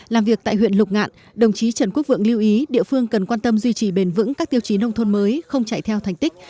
làm việc tại huyện lục ngạn đồng chí trần quốc vượng lưu ý địa phương cần quan tâm duy trì bền vững các tiêu chí nông thôn mới không chạy theo thành tích